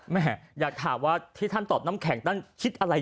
แม่อยากถามว่าที่ท่านตอบน้ำแข็งท่านคิดอะไร